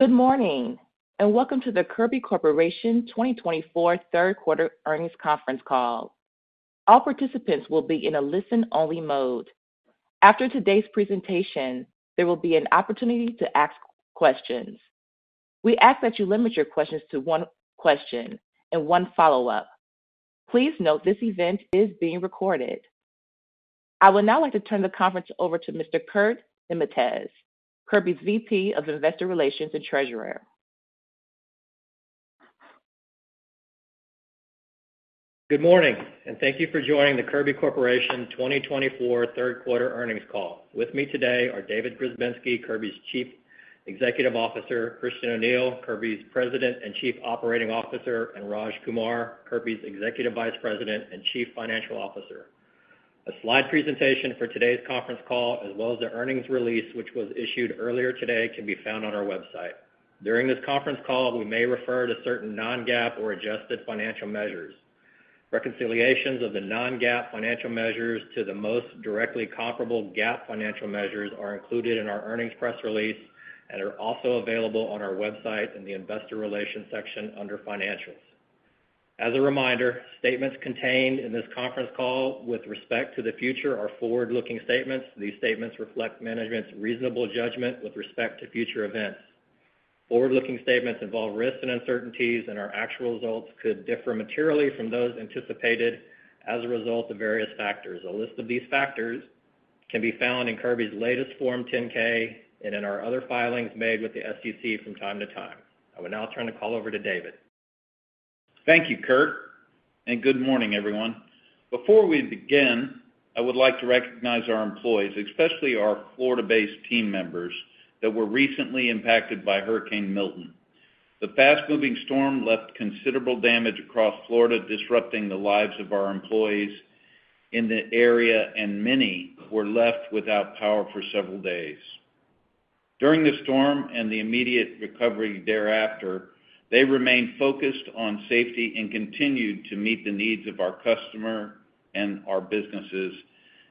Good morning and welcome to the Kirby Corporation 2024 third quarter earnings conference call. All participants will be in a listen-only mode. After today's presentation, there will be an opportunity to ask questions. We ask that you limit your questions to one question and one follow-up. Please note this event is being recorded. I would now like to turn the conference over to Mr. Kurt Niemietz, Kirby's VP of Investor Relations and Treasurer. Good morning and thank you for joining the Kirby Corporation 2024 third quarter earnings call. With me today are David Grzebinski, Kirby's Chief Executive Officer, Christian O'Neil, Kirby's President and Chief Operating Officer, and Raj Kumar, Kirby's Executive Vice President and Chief Financial Officer. A slide presentation for today's conference call, as well as the earnings release which was issued earlier today, can be found on our website. During this conference call, we may refer to certain non-GAAP or adjusted financial measures. Reconciliations of the non-GAAP financial measures to the most directly comparable GAAP financial measures are included in our earnings press release and are also available on our website in the Investor Relations section under Financials. As a reminder, statements contained in this conference call with respect to the future are forward-looking statements. These statements reflect management's reasonable judgment with respect to future events. Forward-looking statements involve risks and uncertainties, and our actual results could differ materially from those anticipated as a result of various factors. A list of these factors can be found in Kirby's latest Form 10-K and in our other filings made with the SEC from time to time. I will now turn the call over to David. Thank you, Kurt, and good morning, everyone. Before we begin, I would like to recognize our employees, especially our Florida-based team members, that were recently impacted by Hurricane Milton. The fast-moving storm left considerable damage across Florida, disrupting the lives of our employees in the area, and many were left without power for several days. During the storm and the immediate recovery thereafter, they remained focused on safety and continued to meet the needs of our customers and our businesses,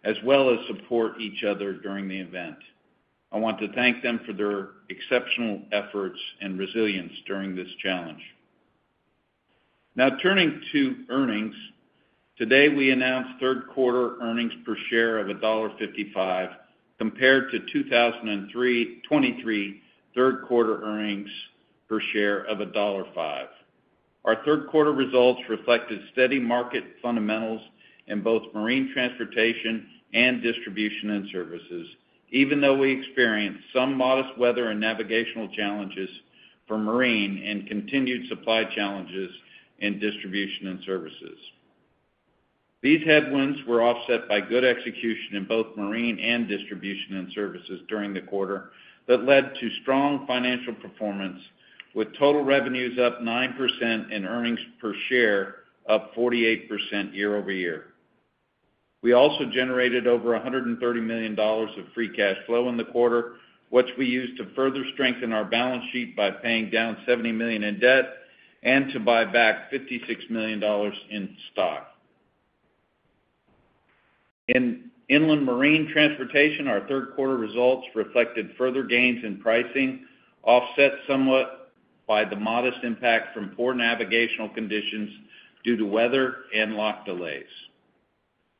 as well as support each other during the event. I want to thank them for their exceptional efforts and resilience during this challenge. Now, turning to earnings, today we announced third quarter earnings per share of $1.55, compared to 2023 third quarter earnings per share of $1.05. Our third quarter results reflected steady market fundamentals in both marine transportation and distribution and services, even though we experienced some modest weather and navigational challenges for marine and continued supply challenges in distribution and services. These headwinds were offset by good execution in both marine and distribution and services during the quarter that led to strong financial performance, with total revenues up 9% and earnings per share up 48% year-over-year. We also generated over $130 million of free cash flow in the quarter, which we used to further strengthen our balance sheet by paying down $70 million in debt and to buy back $56 million in stock. In inland marine transportation, our third quarter results reflected further gains in pricing, offset somewhat by the modest impact from poor navigational conditions due to weather and lock delays.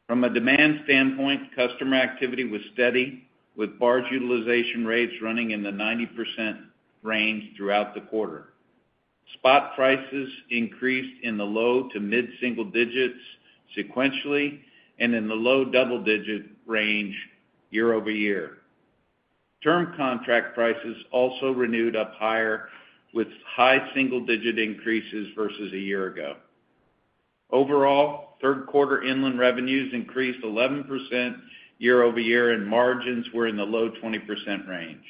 From a demand standpoint, customer activity was steady, with barge utilization rates running in the 90% range throughout the quarter. Spot prices increased in the low to mid-single digits sequentially and in the low double-digit range year-over-year. Term contract prices also renewed up higher, with high single-digit increases versus a year ago. Overall, third quarter inland revenues increased 11% year-over-year, and margins were in the low 20% range.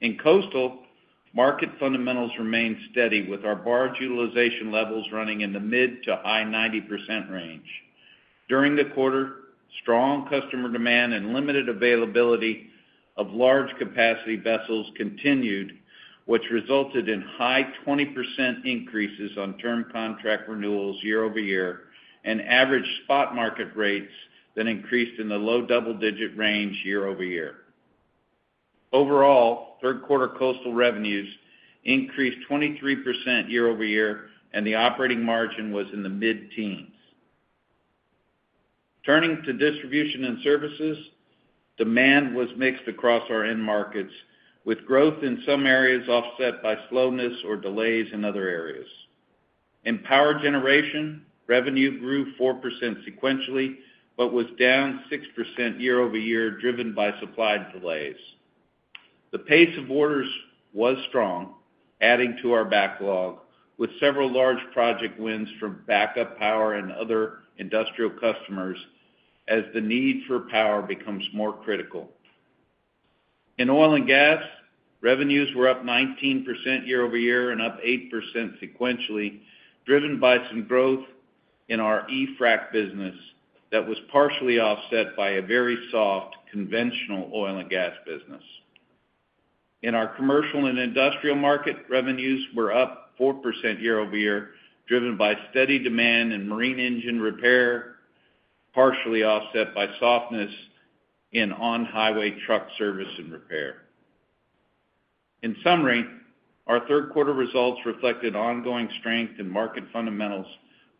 In coastal, market fundamentals remained steady, with our barge utilization levels running in the mid to high 90% range. During the quarter, strong customer demand and limited availability of large capacity vessels continued, which resulted in high 20% increases on term contract renewals year-over-year and average spot market rates that increased in the low double-digit range year-over-year. Overall, third quarter coastal revenues increased 23% year-over-year, and the operating margin was in the mid-teens. Turning to distribution and services, demand was mixed across our end markets, with growth in some areas offset by slowness or delays in other areas. In power generation, revenue grew 4% sequentially but was down 6% year-over-year, driven by supply delays. The pace of orders was strong, adding to our backlog, with several large project wins from backup power and other industrial customers as the need for power becomes more critical. In oil and gas, revenues were up 19% year-over-year and up 8% sequentially, driven by some growth in our E-Frac business that was partially offset by a very soft conventional oil and gas business. In our commercial and industrial market, revenues were up 4% year-over-year, driven by steady demand in marine engine repair, partially offset by softness in on-highway truck service and repair. In summary, our third quarter results reflected ongoing strength in market fundamentals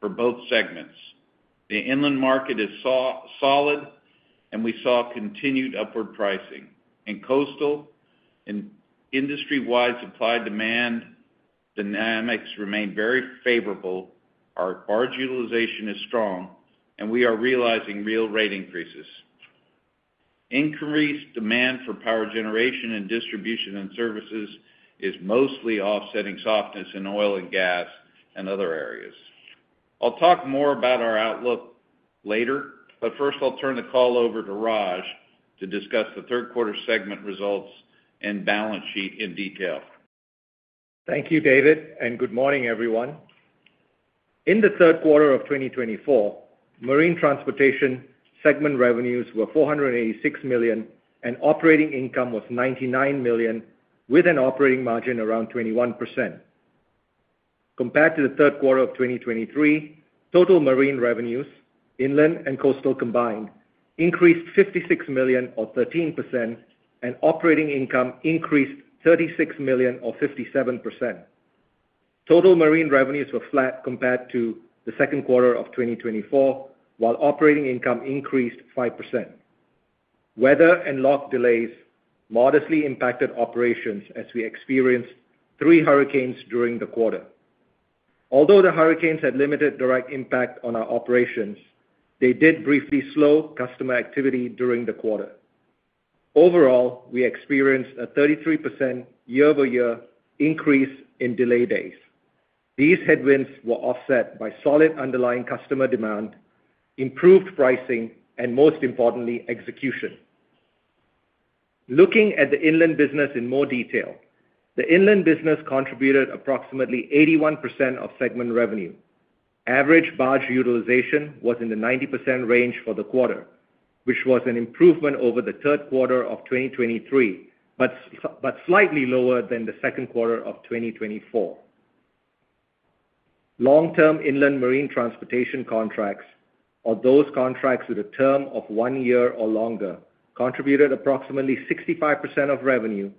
for both segments. The inland market is solid, and we saw continued upward pricing. In coastal, industry-wide supply demand dynamics remain very favorable. Our barge utilization is strong, and we are realizing real rate increases. Increased demand for power generation and distribution and services is mostly offsetting softness in oil and gas and other areas. I'll talk more about our outlook later, but first I'll turn the call over to Raj to discuss the third quarter segment results and balance sheet in detail. Thank you, David, and good morning, everyone. In the third quarter of 2024, marine transportation segment revenues were $486 million, and operating income was $99 million, with an operating margin around 21%. Compared to the third quarter of 2023, total marine revenues, inland and coastal combined, increased $56 million, or 13%, and operating income increased $36 million, or 57%. Total marine revenues were flat compared to the second quarter of 2024, while operating income increased 5%. Weather and lock delays modestly impacted operations as we experienced three hurricanes during the quarter. Although the hurricanes had limited direct impact on our operations, they did briefly slow customer activity during the quarter. Overall, we experienced a 33% year-over-year increase in delay days. These headwinds were offset by solid underlying customer demand, improved pricing, and most importantly, execution. Looking at the inland business in more detail, the inland business contributed approximately 81% of segment revenue. Average barge utilization was in the 90% range for the quarter, which was an improvement over the third quarter of 2023 but slightly lower than the second quarter of 2024. Long-term inland marine transportation contracts, or those contracts with a term of one year or longer, contributed approximately 65% of revenue,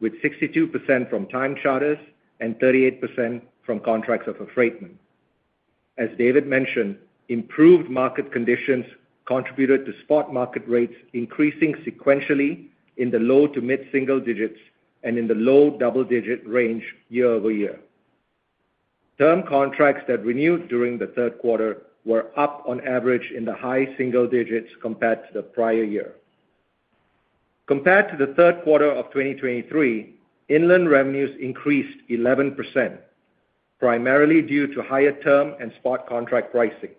with 62% from time charters and 38% from contracts of affreightment. As David mentioned, improved market conditions contributed to spot market rates increasing sequentially in the low to mid-single digits and in the low double-digit range year-over-year. Term contracts that renewed during the third quarter were up on average in the high single digits compared to the prior year. Compared to the third quarter of 2023, inland revenues increased 11%, primarily due to higher term and spot contract pricing.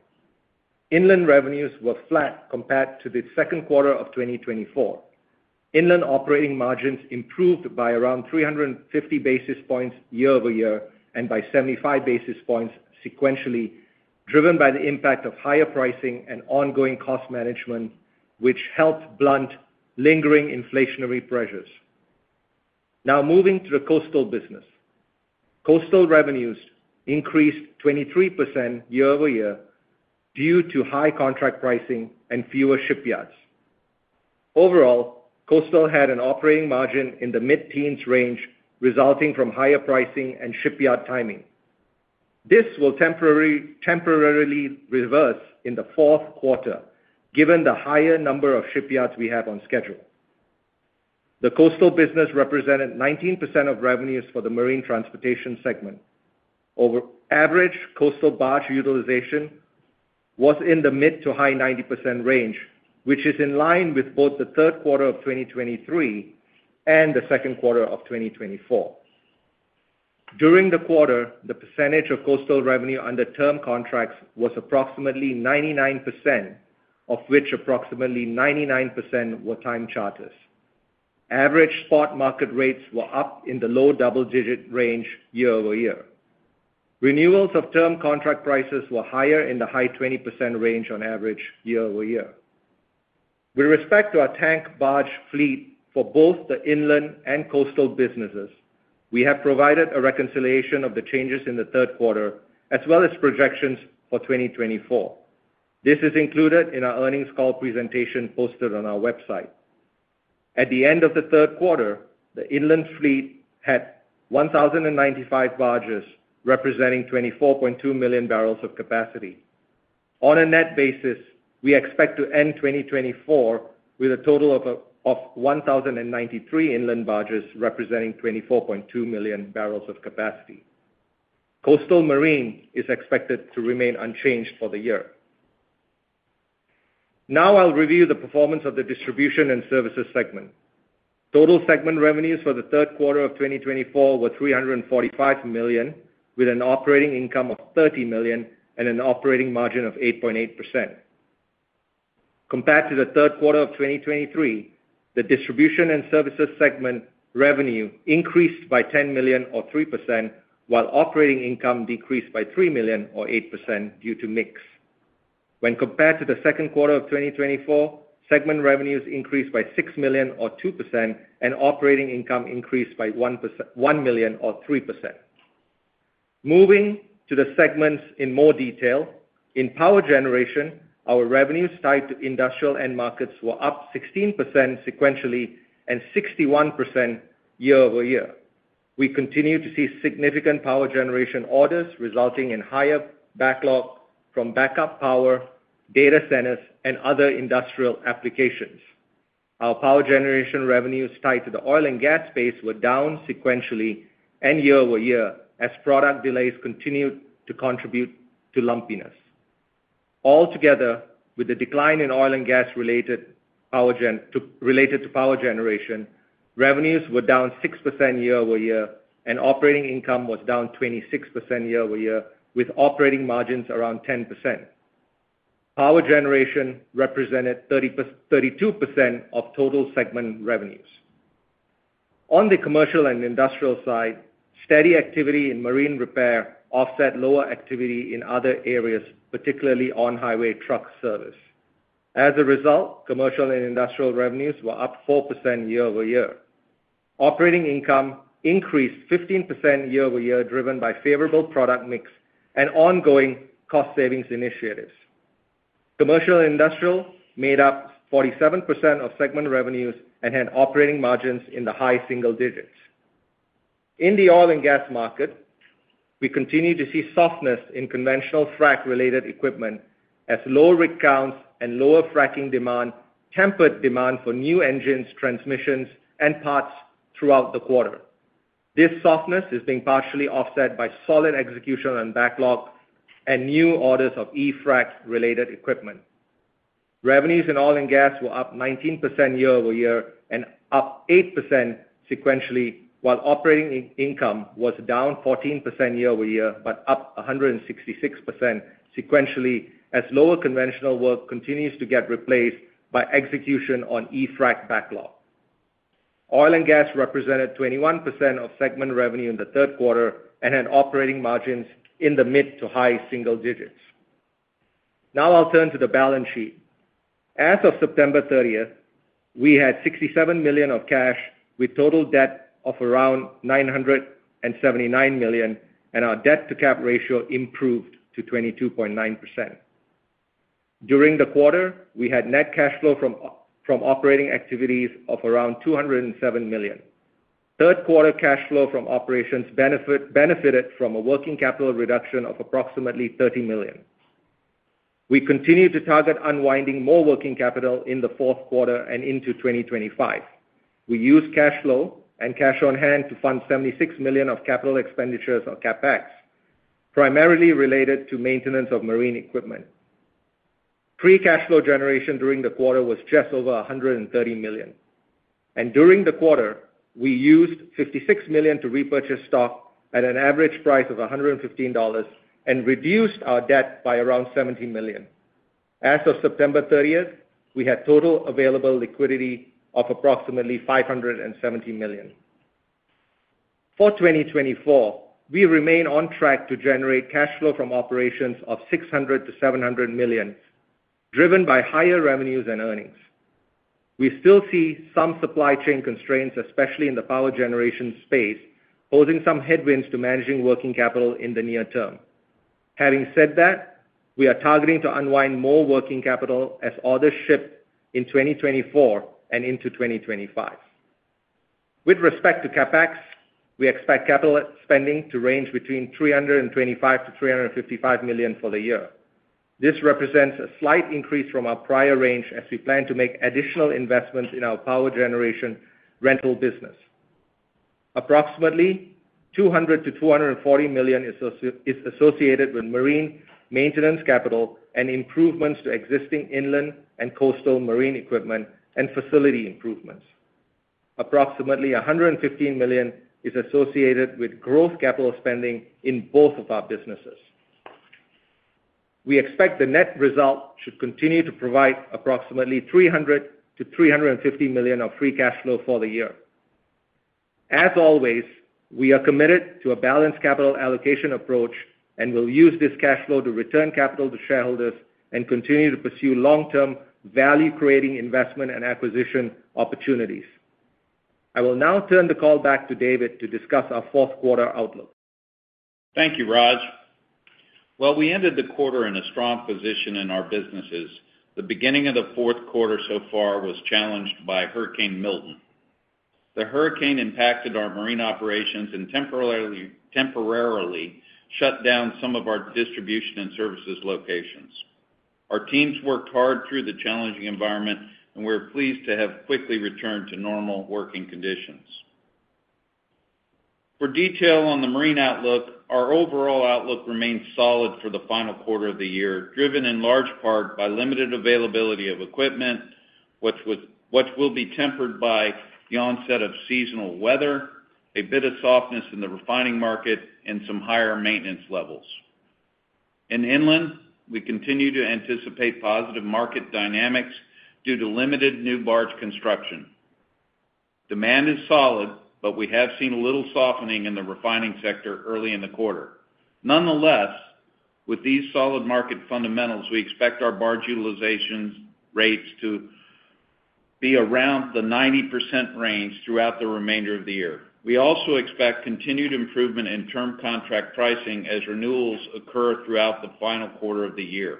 Inland revenues were flat compared to the second quarter of 2024. Inland operating margins improved by around 350 basis points year-over-year and by 75 basis points sequentially, driven by the impact of higher pricing and ongoing cost management, which helped blunt lingering inflationary pressures. Now, moving to the coastal business, coastal revenues increased 23% year-over-year due to high contract pricing and fewer shipyards. Overall, coastal had an operating margin in the mid-teens range, resulting from higher pricing and shipyard timing. This will temporarily reverse in the fourth quarter, given the higher number of shipyards we have on schedule. The coastal business represented 19% of revenues for the marine transportation segment. Average coastal barge utilization was in the mid to high 90% range, which is in line with both the third quarter of 2023 and the second quarter of 2024. During the quarter, the percentage of coastal revenue under term contracts was approximately 99%, of which approximately 99% were time charters. Average spot market rates were up in the low double-digit range year-over-year. Renewals of term contract prices were higher in the high 20% range on average year-over-year. With respect to our tank barge fleet for both the inland and coastal businesses, we have provided a reconciliation of the changes in the third quarter, as well as projections for 2024. This is included in our earnings call presentation posted on our website. At the end of the third quarter, the inland fleet had 1,095 barges, representing 24.2 million barrels of capacity. On a net basis, we expect to end 2024 with a total of 1,093 inland barges representing 24.2 million barrels of capacity. Coastal marine is expected to remain unchanged for the year. Now, I'll review the performance of the distribution and services segment. Total segment revenues for the third quarter of 2024 were $345 million, with an operating income of $30 million and an operating margin of 8.8%. Compared to the third quarter of 2023, the distribution and services segment revenue increased by $10 million, or 3%, while operating income decreased by $3 million, or 8%, due to mix. When compared to the second quarter of 2024, segment revenues increased by $6 million, or 2%, and operating income increased by $1 million, or 3%. Moving to the segments in more detail, in power generation, our revenues tied to industrial end markets were up 16% sequentially and 61% year-over-year. We continue to see significant power generation orders resulting in higher backlog from backup power, data centers, and other industrial applications. Our power generation revenues tied to the oil and gas space were down sequentially and year-over-year as product delays continued to contribute to lumpiness. Altogether, with the decline in oil and gas related to power generation, revenues were down 6% year-over-year, and operating income was down 26% year-over-year, with operating margins around 10%. Power generation represented 32% of total segment revenues. On the commercial and industrial side, steady activity in marine repair offset lower activity in other areas, particularly on-highway truck service. As a result, commercial and industrial revenues were up 4% year-over-year. Operating income increased 15% year-over-year, driven by favorable product mix and ongoing cost savings initiatives. Commercial and industrial made up 47% of segment revenues and had operating margins in the high single digits. In the oil and gas market, we continue to see softness in conventional frac-related equipment as low rig counts and lower fracking demand tempered demand for new engines, transmissions, and parts throughout the quarter. This softness is being partially offset by solid execution and backlog and new orders of E-Frac-related equipment. Revenues in oil and gas were up 19% year-over-year and up 8% sequentially, while operating income was down 14% year-over-year but up 166% sequentially as lower conventional work continues to get replaced by execution on E-Frac backlog. Oil and gas represented 21% of segment revenue in the third quarter and had operating margins in the mid to high single digits. Now, I'll turn to the balance sheet. As of September 30th, we had $67 million of cash with total debt of around $979 million, and our debt-to-cap ratio improved to 22.9%. During the quarter, we had net cash flow from operating activities of around $207 million. Third quarter cash flow from operations benefited from a working capital reduction of approximately $30 million. We continue to target unwinding more working capital in the fourth quarter and into 2025. We use cash flow and cash on hand to fund $76 million of capital expenditures, or CapEx, primarily related to maintenance of marine equipment. Free cash flow generation during the quarter was just over $130 million. And during the quarter, we used $56 million to repurchase stock at an average price of $115 and reduced our debt by around $70 million. As of September 30th, we had total available liquidity of approximately $570 million. For 2024, we remain on track to generate cash flow from operations of $600-$700 million, driven by higher revenues and earnings. We still see some supply chain constraints, especially in the power generation space, posing some headwinds to managing working capital in the near term. Having said that, we are targeting to unwind more working capital as orders ship in 2024 and into 2025. With respect to CapEx, we expect capital spending to range between $325-$355 million for the year. This represents a slight increase from our prior range as we plan to make additional investments in our power generation rental business. Approximately $200-$240 million is associated with marine maintenance capital and improvements to existing inland and coastal marine equipment and facility improvements. Approximately $115 million is associated with gross capital spending in both of our businesses. We expect the net result should continue to provide approximately $300-$350 million of free cash flow for the year. As always, we are committed to a balanced capital allocation approach and will use this cash flow to return capital to shareholders and continue to pursue long-term value-creating investment and acquisition opportunities. I will now turn the call back to David to discuss our fourth quarter outlook. Thank you, Raj. While we ended the quarter in a strong position in our businesses, the beginning of the fourth quarter so far was challenged by Hurricane Milton. The hurricane impacted our marine operations and temporarily shut down some of our distribution and services locations. Our teams worked hard through the challenging environment, and we're pleased to have quickly returned to normal working conditions. For detail on the marine outlook, our overall outlook remains solid for the final quarter of the year, driven in large part by limited availability of equipment, which will be tempered by the onset of seasonal weather, a bit of softness in the refining market, and some higher maintenance levels. In inland, we continue to anticipate positive market dynamics due to limited new barge construction. Demand is solid, but we have seen a little softening in the refining sector early in the quarter. Nonetheless, with these solid market fundamentals, we expect our barge utilization rates to be around the 90% range throughout the remainder of the year. We also expect continued improvement in term contract pricing as renewals occur throughout the final quarter of the year.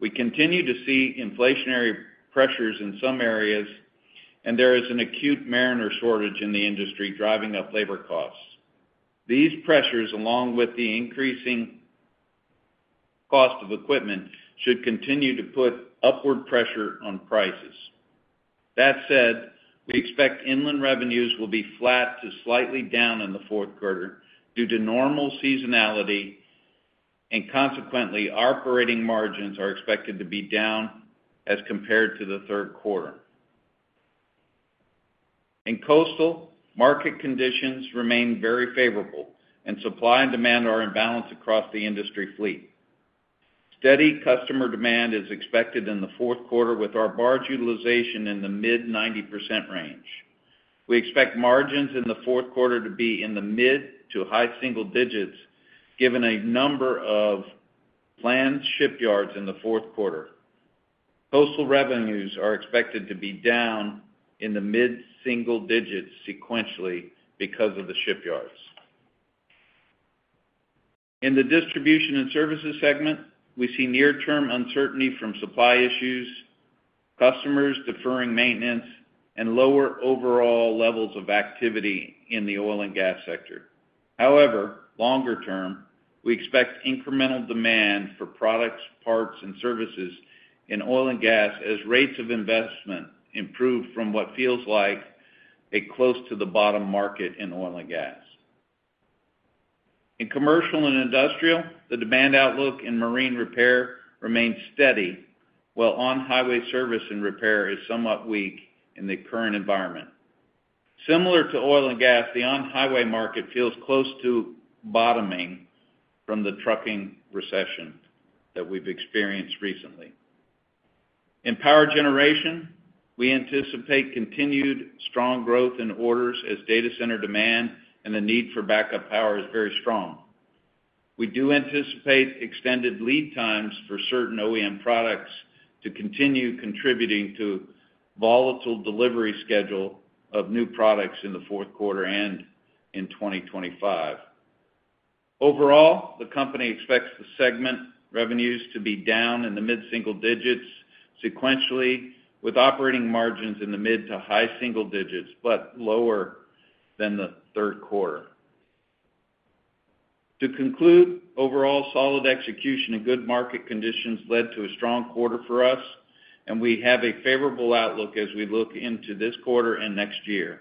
We continue to see inflationary pressures in some areas, and there is an acute mariner shortage in the industry driving up labor costs. These pressures, along with the increasing cost of equipment, should continue to put upward pressure on prices. That said, we expect inland revenues will be flat to slightly down in the fourth quarter due to normal seasonality, and consequently, operating margins are expected to be down as compared to the third quarter. In coastal, market conditions remain very favorable, and supply and demand are in balance across the industry fleet. Steady customer demand is expected in the fourth quarter, with our barge utilization in the mid 90% range. We expect margins in the fourth quarter to be in the mid- to high-single digits, given a number of planned shipyards in the fourth quarter. Coastal revenues are expected to be down in the mid-single digits sequentially because of the shipyards. In the distribution and services segment, we see near-term uncertainty from supply issues, customers deferring maintenance, and lower overall levels of activity in the oil and gas sector. However, longer term, we expect incremental demand for products, parts, and services in oil and gas as rates of investment improve from what feels like a close-to-the-bottom market in oil and gas. In commercial and industrial, the demand outlook in marine repair remains steady, while on-highway service and repair is somewhat weak in the current environment. Similar to oil and gas, the on-highway market feels close to bottoming from the trucking recession that we've experienced recently. In power generation, we anticipate continued strong growth in orders as data center demand and the need for backup power is very strong. We do anticipate extended lead times for certain OEM products to continue contributing to the volatile delivery schedule of new products in the fourth quarter and in 2025. Overall, the company expects the segment revenues to be down in the mid single digits sequentially, with operating margins in the mid to high single digits, but lower than the third quarter. To conclude, overall solid execution and good market conditions led to a strong quarter for us, and we have a favorable outlook as we look into this quarter and next year.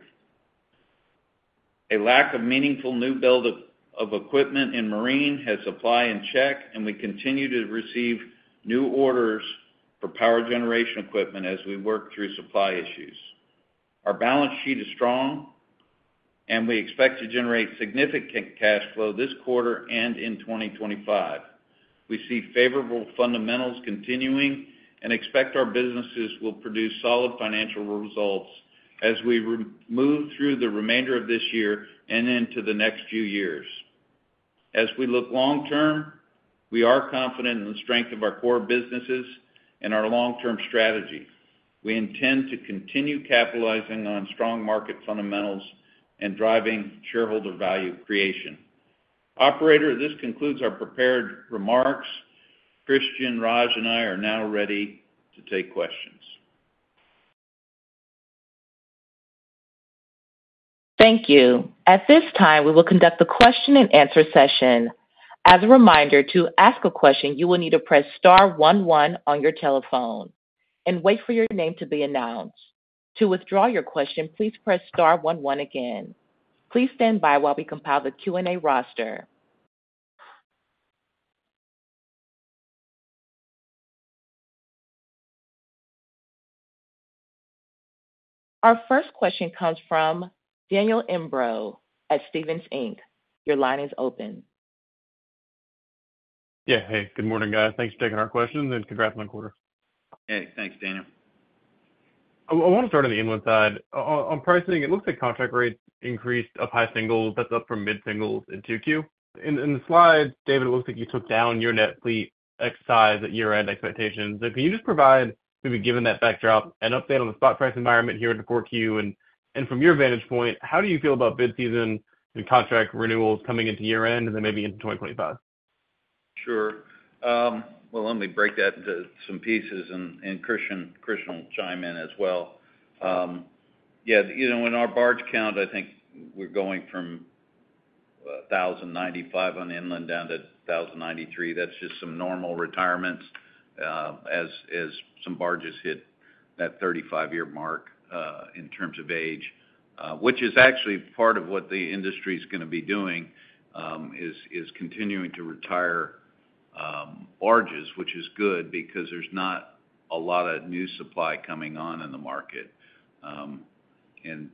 A lack of meaningful new build-up of equipment in marine has supply in check, and we continue to receive new orders for power generation equipment as we work through supply issues. Our balance sheet is strong, and we expect to generate significant cash flow this quarter and in 2025. We see favorable fundamentals continuing and expect our businesses will produce solid financial results as we move through the remainder of this year and into the next few years. As we look long-term, we are confident in the strength of our core businesses and our long-term strategy. We intend to continue capitalizing on strong market fundamentals and driving shareholder value creation. Operator, this concludes our prepared remarks. Christian, Raj, and I are now ready to take questions. Thank you. At this time, we will conduct the question-and-answer session. As a reminder, to ask a question, you will need to press star one one on your telephone and wait for your name to be announced. To withdraw your question, please press star one one again. Please stand by while we compile the Q&A roster. Our first question comes from Daniel Imbro at Stephens Inc. Your line is open. Yeah. Hey, good morning, guys. Thanks for taking our questions, and congrats on the quarter. Hey, thanks, Daniel. I want to start on the inland side. On pricing, it looks like contract rates increased up high singles. That's up from mid singles in 2Q. In the slides, David, it looks like you took down your net fleet exit size at year-end expectations. So can you just provide, maybe given that backdrop, an update on the spot price environment here in 4Q? And from your vantage point, how do you feel about bid season and contract renewals coming into year-end and then maybe into 2025? Sure. Well, let me break that into some pieces, and Christian will chime in as well. Yeah, when our barge count, I think we're going from 1,095 on inland down to 1,093. That's just some normal retirements as some barges hit that 35-year mark in terms of age, which is actually part of what the industry is going to be doing, is continuing to retire barges, which is good because there's not a lot of new supply coming on in the market. And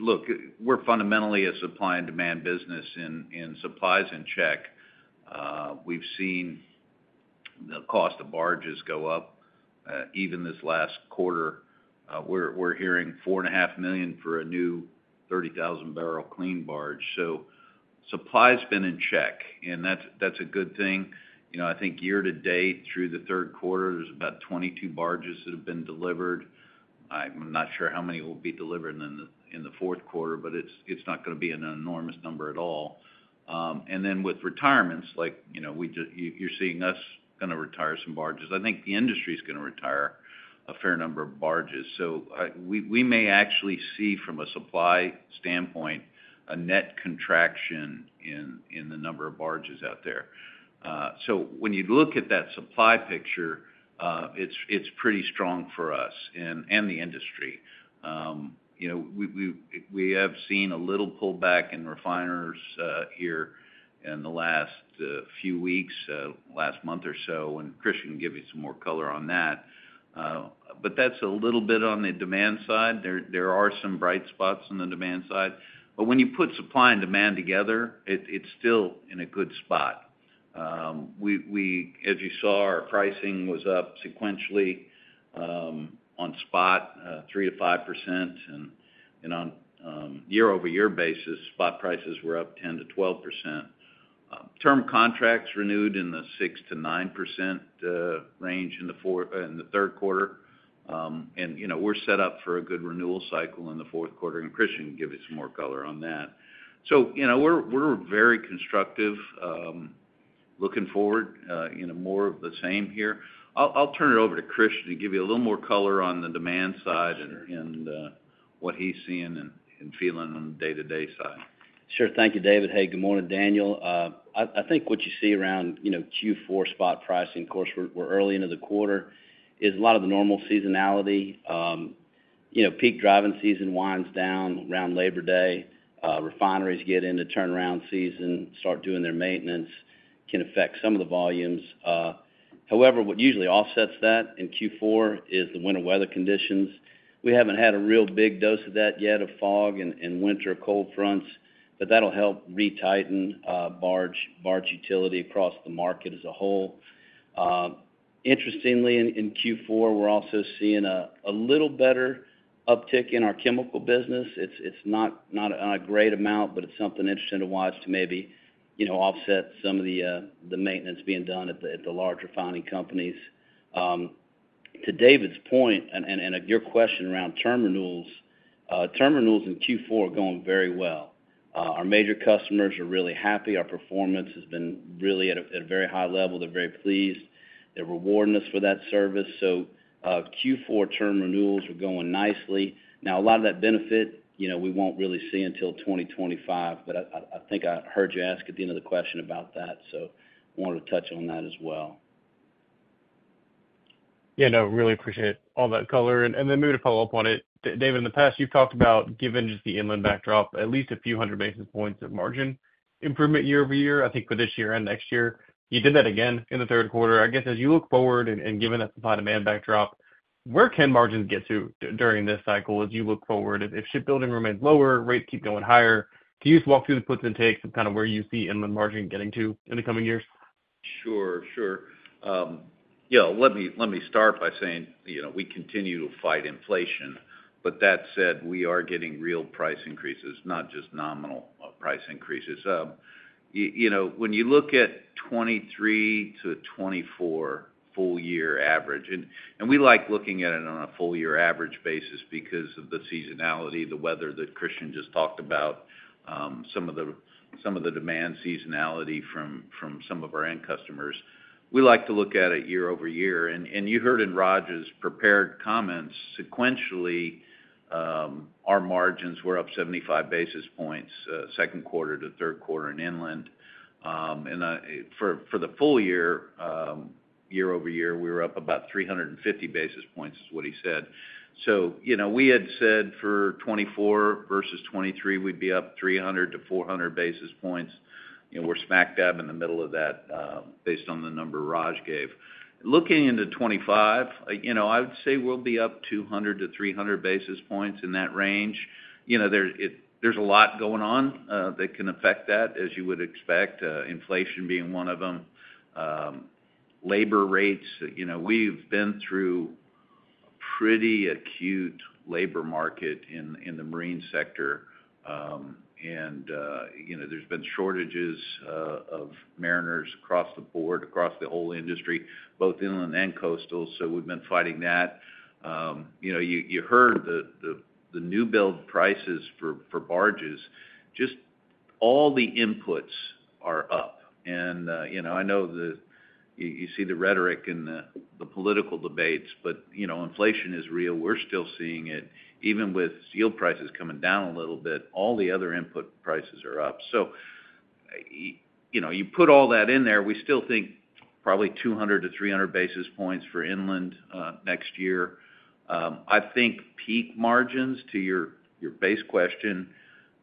look, we're fundamentally a supply and demand business, and supply's in check. We've seen the cost of barges go up even this last quarter. We're hearing $4.5 million for a new 30,000-barrel clean barge. So supply's been in check, and that's a good thing. I think year to date, through the third quarter, there's about 22 barges that have been delivered. I'm not sure how many will be delivered in the fourth quarter, but it's not going to be an enormous number at all, and then with retirements, like you're seeing us going to retire some barges, I think the industry is going to retire a fair number of barges, so we may actually see, from a supply standpoint, a net contraction in the number of barges out there, so when you look at that supply picture, it's pretty strong for us and the industry. We have seen a little pullback in refiners here in the last few weeks, last month or so, and Christian can give you some more color on that, but that's a little bit on the demand side. There are some bright spots on the demand side, but when you put supply and demand together, it's still in a good spot. As you saw, our pricing was up sequentially on spot 3%-5%. And on year-over-year basis, spot prices were up 10%-12%. Term contracts renewed in the 6%-9% range in the third quarter, and we're set up for a good renewal cycle in the fourth quarter, and Christian can give you some more color on that, so we're very constructive, looking forward, more of the same here. I'll turn it over to Christian to give you a little more color on the demand side and what he's seeing and feeling on the day-to-day side. Sure. Thank you, David. Hey, good morning, Daniel. I think what you see around Q4 spot pricing, of course, we're early into the quarter, is a lot of the normal seasonality. Peak driving season winds down around Labor Day. Refineries get into turnaround season, start doing their maintenance, can affect some of the volumes. However, what usually offsets that in Q4 is the winter weather conditions. We haven't had a real big dose of that yet, of fog and winter cold fronts, but that'll help retighten barge utilization across the market as a whole. Interestingly, in Q4, we're also seeing a little better uptick in our chemical business. It's not a great amount, but it's something interesting to watch to maybe offset some of the maintenance being done at the large refining companies. To David's point and your question around term renewals, term renewals in Q4 are going very well. Our major customers are really happy. Our performance has been really at a very high level. They're very pleased. They're rewarding us for that service. So Q4 term renewals are going nicely. Now, a lot of that benefit, we won't really see until 2025, but I think I heard you ask at the end of the question about that. So I wanted to touch on that as well. Yeah, no, really appreciate all that color. And then maybe to follow up on it, David, in the past, you've talked about, given just the inland backdrop, at least a few hundred basis points of margin improvement year over year, I think for this year and next year. You did that again in the third quarter. I guess as you look forward, and given that supply-demand backdrop, where can margins get to during this cycle as you look forward? If shipbuilding remains lower, rates keep going higher, can you just walk through the puts and takes and kind of where you see inland margin getting to in the coming years? Sure, sure. Yeah, let me start by saying we continue to fight inflation. But that said, we are getting real price increases, not just nominal price increases. When you look at 2023 to 2024 full-year average, and we like looking at it on a full-year average basis because of the seasonality, the weather that Christian just talked about, some of the demand seasonality from some of our end customers, we like to look at it year over year. And you heard in Raj's prepared comments, sequentially, our margins were up 75 basis points second quarter to third quarter in inland. And for the full year, year-over-year, we were up about 350 basis points, is what he said. So we had said for 2024 versus 2023, we'd be up 300-400 basis points. We're smack dab in the middle of that based on the number Raj gave. Looking into 2025, I would say we'll be up 200 to 300 basis points in that range. There's a lot going on that can affect that, as you would expect, inflation being one of them, labor rates. We've been through a pretty acute labor market in the marine sector, and there's been shortages of mariners across the board, across the whole industry, both inland and coastal. So we've been fighting that. You heard the new build prices for barges. Just all the inputs are up. And I know you see the rhetoric in the political debates, but inflation is real. We're still seeing it. Even with steel prices coming down a little bit, all the other input prices are up. So you put all that in there, we still think probably 200 to 300 basis points for inland next year. I think peak margins, to your base question,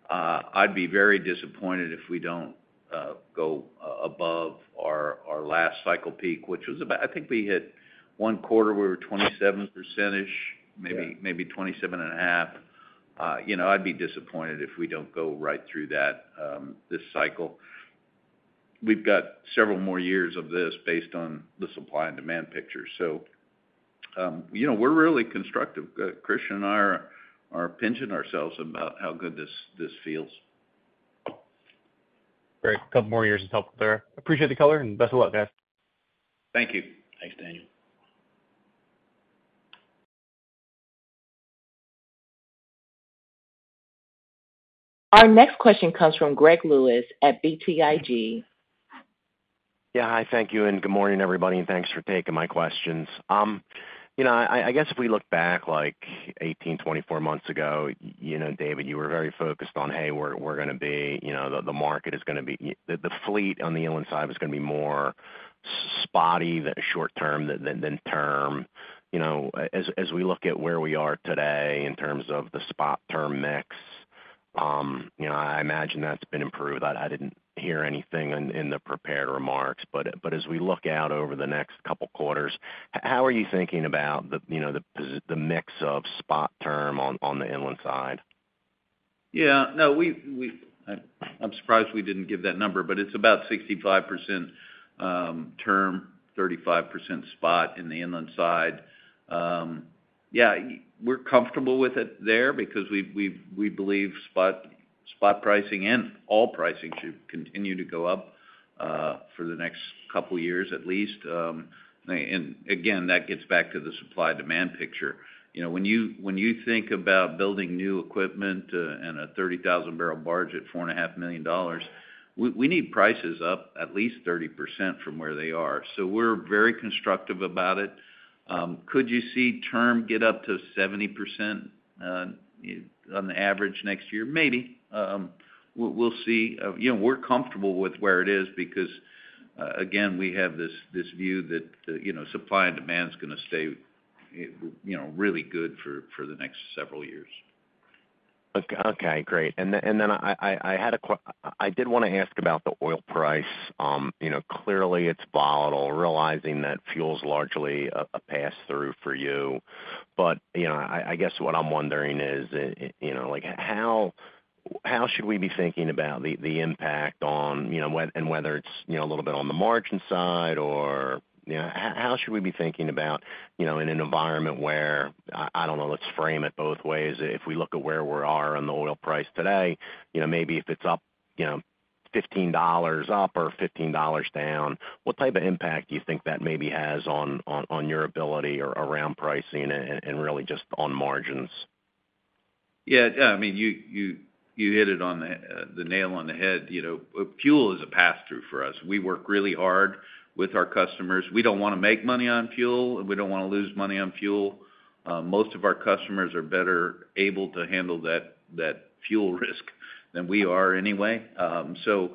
I'd be very disappointed if we don't go above our last cycle peak, which was about. I think we hit one quarter, we were 27%ish, maybe 27.5. I'd be disappointed if we don't go right through that this cycle. We've got several more years of this based on the supply and demand picture. So we're really constructive. Christian and I are pinching ourselves about how good this feels. Great. A couple more years is helpful there. Appreciate the color and best of luck, guys. Thank you. Thanks, Daniel. Our next question comes from Greg Lewis at BTIG. Yeah, hi, thank you and good morning, everybody and thanks for taking my questions. I guess if we look back like 18, 24 months ago, David, you were very focused on, hey, we're going to be the market is going to be the fleet on the inland side was going to be more spotty than short-term than term. As we look at where we are today in terms of the spot-term mix, I imagine that's been improved. I didn't hear anything in the prepared remarks but as we look out over the next couple of quarters, how are you thinking about the mix of spot-term on the inland side? Yeah. No, I'm surprised we didn't give that number, but it's about 65% term, 35% spot in the inland side. Yeah, we're comfortable with it there because we believe spot pricing and all pricing should continue to go up for the next couple of years at least. And again, that gets back to the supply-demand picture. When you think about building new equipment and a 30,000-barrel barge at $4.5 million, we need prices up at least 30% from where they are. So we're very constructive about it. Could you see term get up to 70% on the average next year? Maybe. We'll see. We're comfortable with where it is because, again, we have this view that supply and demand is going to stay really good for the next several years. Okay, great. And then I did want to ask about the oil price. Clearly, it's volatile, realizing that fuel is largely a pass-through for you. But I guess what I'm wondering is, how should we be thinking about the impact on and whether it's a little bit on the margin side or how should we be thinking about in an environment where, I don't know, let's frame it both ways. If we look at where we are on the oil price today, maybe if it's up $15 or $15 down, what type of impact do you think that maybe has on your ability around pricing and really just on margins? Yeah. I mean, you hit it on the nail on the head. Fuel is a pass-through for us. We work really hard with our customers. We don't want to make money on fuel. We don't want to lose money on fuel. Most of our customers are better able to handle that fuel risk than we are anyway. So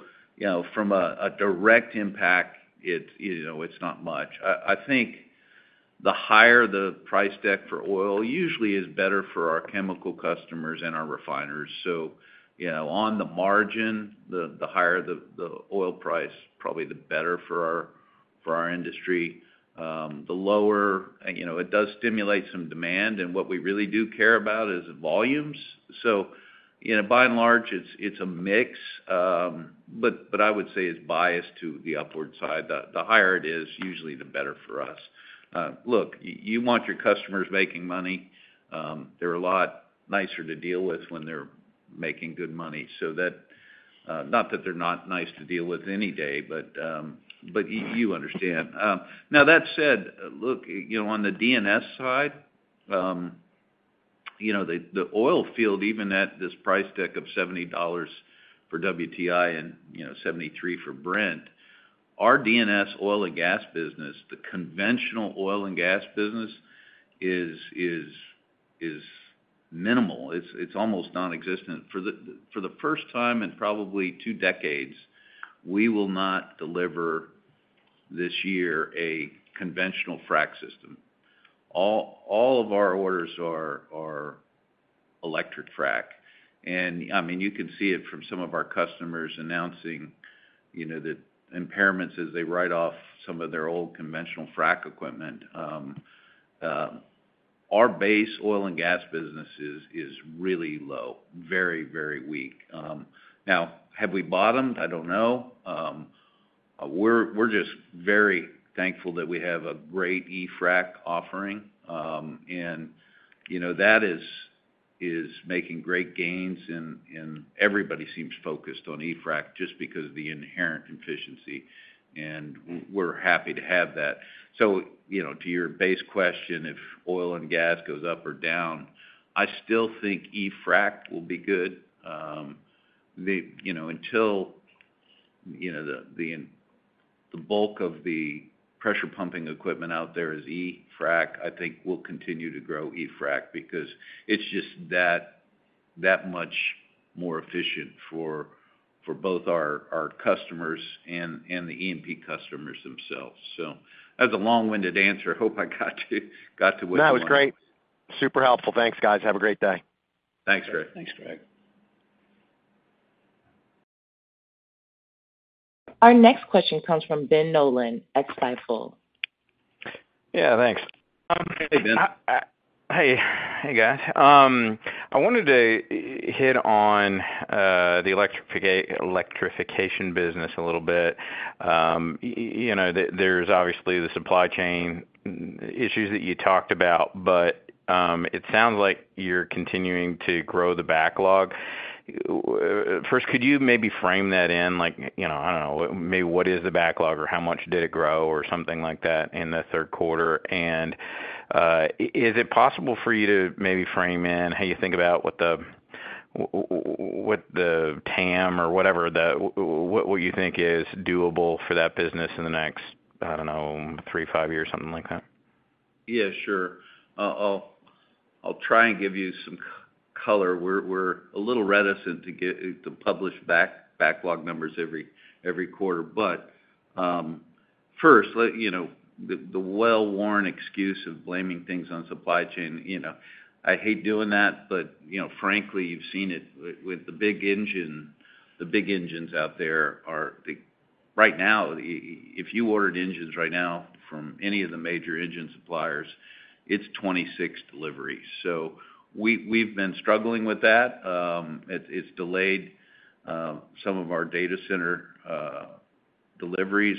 from a direct impact, it's not much. I think the higher the price deck for oil usually is better for our chemical customers and our refiners. So on the margin, the higher the oil price, probably the better for our industry. The lower, it does stimulate some demand. And what we really do care about is volumes. So by and large, it's a mix. But I would say it's biased to the upward side. The higher it is, usually the better for us. Look, you want your customers making money. They're a lot nicer to deal with when they're making good money. So not that they're not nice to deal with any day, but you understand. Now, that said, look, on the D&S side, the oil field, even at this price deck of $70 for WTI and $73 for Brent, our D&S oil and gas business, the conventional oil and gas business is minimal. It's almost nonexistent. For the first time in probably two decades, we will not deliver this year a conventional frac system. All of our orders are electric frac. And I mean, you can see it from some of our customers announcing the impairments as they write off some of their old conventional frac equipment. Our base oil and gas business is really low, very, very weak. Now, have we bottomed? I don't know. We're just very thankful that we have a great E-Frac offering. And that is making great gains. And everybody seems focused on E-Frac just because of the inherent efficiency. And we're happy to have that. So to your base question, if oil and gas goes up or down, I still think E-Frac will be good. Until the bulk of the pressure pumping equipment out there is E-Frac, I think we'll continue to grow E-Frac because it's just that much more efficient for both our customers and the E&P customers themselves. So that's a long-winded answer. I hope I got to what you wanted. No, it was great. Super helpful. Thanks, guys. Have a great day. Thanks, Greg. Thanks, Greg. Our next question comes from Ben Nolan, Stifel. Yeah, thanks. Hey, Ben. Hey, guys. I wanted to hit on the electrification business a little bit. There's obviously the supply chain issues that you talked about, but it sounds like you're continuing to grow the backlog. First, could you maybe frame that in? I don't know. Maybe what is the backlog or how much did it grow or something like that in the third quarter? And is it possible for you to maybe frame in how you think about what the TAM or whatever, what you think is doable for that business in the next, I don't know, three, five years, something like that? Yeah, sure. I'll try and give you some color. We're a little reticent to publish backlog numbers every quarter. But first, the well-worn excuse of blaming things on supply chain. I hate doing that, but frankly, you've seen it with the big engines. The big engines out there are right now, if you ordered engines right now from any of the major engine suppliers, it's 26 deliveries. So we've been struggling with that. It's delayed some of our data center deliveries.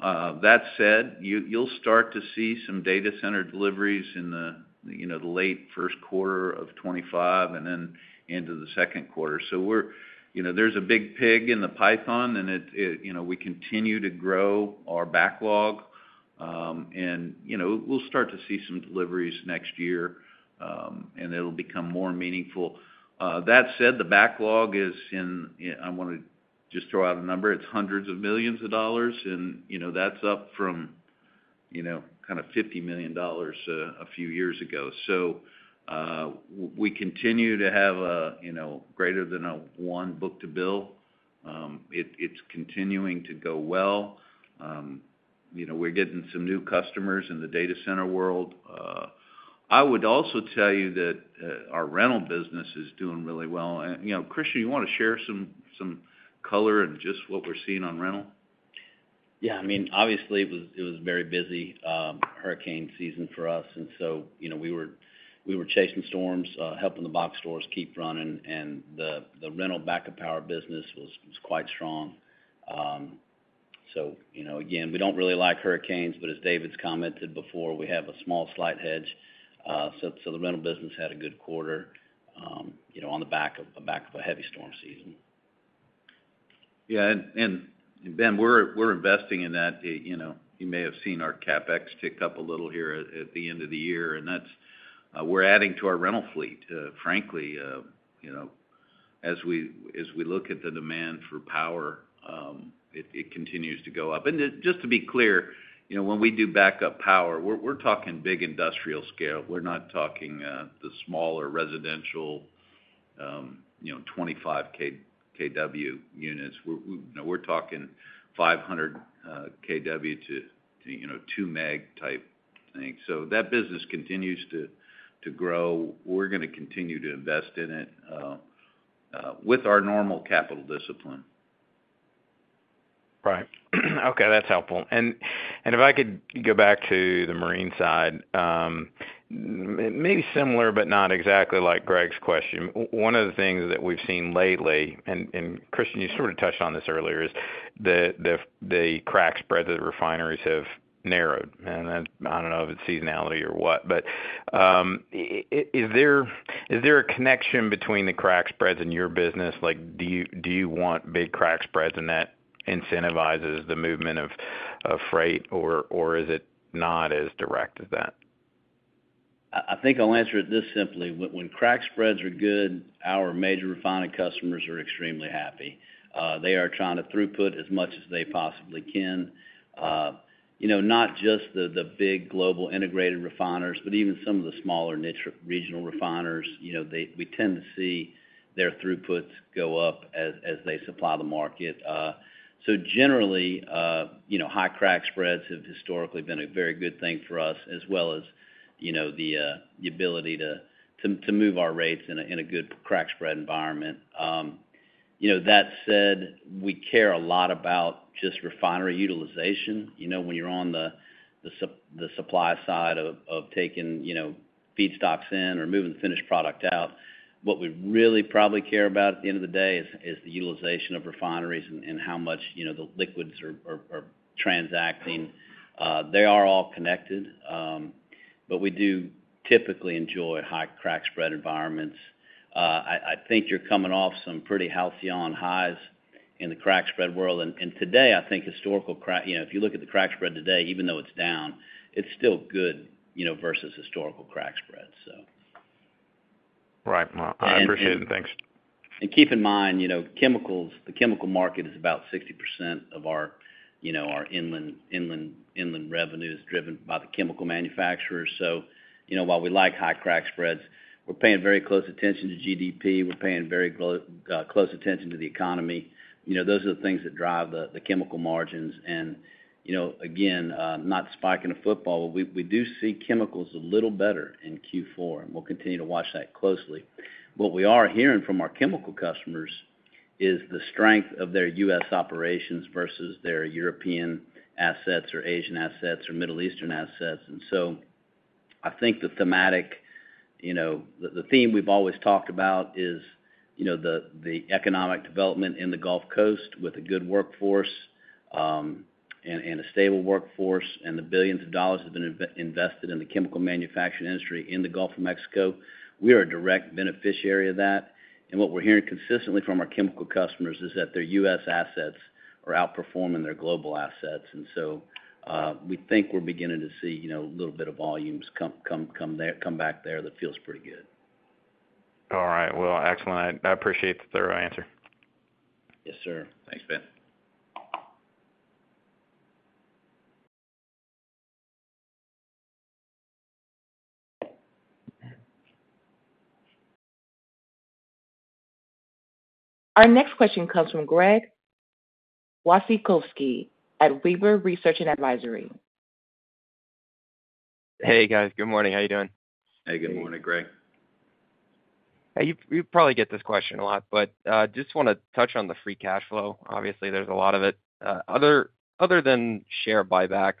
That said, you'll start to see some data center deliveries in the late first quarter of 2025 and then into the second quarter. So there's a big pig in the python, and we continue to grow our backlog. And we'll start to see some deliveries next year, and it'll become more meaningful. That said, the backlog is in. I want to just throw out a number. It's hundreds of millions of dollars, and that's up from kind of $50 million a few years ago, so we continue to have greater than a one book to bill. It's continuing to go well. We're getting some new customers in the data center world. I would also tell you that our rental business is doing really well, and Christian, you want to share some color and just what we're seeing on rental? Yeah. I mean, obviously, it was a very busy hurricane season for us. And so we were chasing storms, helping the box stores keep running. And the rental backup power business was quite strong. So again, we don't really like hurricanes, but as David's commented before, we have a small slight hedge. So the rental business had a good quarter on the back of a heavy storm season. Yeah. And, Ben, we're investing in that. You may have seen our CapEx tick up a little here at the end of the year. And we're adding to our rental fleet, frankly. As we look at the demand for power, it continues to go up. And just to be clear, when we do backup power, we're talking big industrial scale. We're not talking the smaller residential 25 kW units. We're talking 500 kW to 2 meg type thing. So that business continues to grow. We're going to continue to invest in it with our normal capital discipline. Right. Okay. That's helpful. And if I could go back to the marine side, maybe similar, but not exactly like Greg's question. One of the things that we've seen lately, and Christian, you sort of touched on this earlier, is the crack spread that the refineries have narrowed. And I don't know if it's seasonality or what, but is there a connection between the crack spreads and your business? Do you want big crack spreads and that incentivizes the movement of freight, or is it not as direct as that? I think I'll answer it this simply. When crack spreads are good, our major refinery customers are extremely happy. They are trying to throughput as much as they possibly can. Not just the big global integrated refiners, but even some of the smaller regional refiners. We tend to see their throughputs go up as they supply the market. So generally, high crack spreads have historically been a very good thing for us, as well as the ability to move our rates in a good crack spread environment. That said, we care a lot about just refinery utilization. When you're on the supply side of taking feedstocks in or moving the finished product out, what we really probably care about at the end of the day is the utilization of refineries and how much the liquids are transacting. They are all connected, but we do typically enjoy high crack spread environments. I think you're coming off some pretty healthy on highs in the crack spread world, and today, I think historical crack, if you look at the crack spread today, even though it's down, it's still good versus historical crack spreads, so. Right. I appreciate it. Thanks. Keep in mind, the chemical market is about 60% of our inland revenue is driven by the chemical manufacturers. So while we like high crack spreads, we're paying very close attention to GDP. We're paying very close attention to the economy. Those are the things that drive the chemical margins. And again, not spiking a football, but we do see chemicals a little better in Q4. And we'll continue to watch that closely. What we are hearing from our chemical customers is the strength of their U.S. operations versus their European assets or Asian assets or Middle Eastern assets. And so I think the thematic, the theme we've always talked about is the economic development in the Gulf Coast with a good workforce and a stable workforce and the billions of dollars that have been invested in the chemical manufacturing industry in the Gulf of Mexico. We are a direct beneficiary of that. And what we're hearing consistently from our chemical customers is that their U.S. assets are outperforming their global assets. And so we think we're beginning to see a little bit of volumes come back there that feels pretty good. All right. Well, excellent. I appreciate the thorough answer. Yes, sir. Thanks, Ben. Our next question comes from Greg Wasikowski at Webber Research & Advisory. Hey, guys. Good morning. How are you doing? Hey, good morning, Greg. Hey, you probably get this question a lot, but I just want to touch on the free cash flow. Obviously, there's a lot of it. Other than share buybacks,